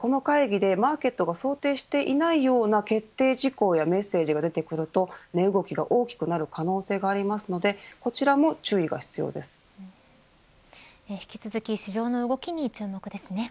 この会議でマーケットが想定していないような決定事項やメッセージが出てくると値動きが大きくなる可能性がありますので引き続き市場の動きに注目ですね。